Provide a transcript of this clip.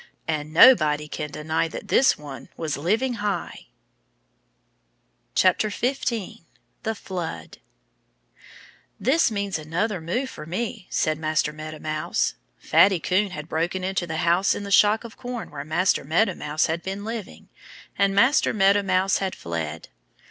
And nobody can deny that this one was living high." 15 The Flood "THIS means another move for me," said Master Meadow Mouse. Fatty Coon had broken into the house in the shock of corn where Master Meadow Mouse had been living. And Master Meadow Mouse had fled.